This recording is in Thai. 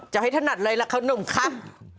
จะให้ถนัดเลยละเขาหนังครับ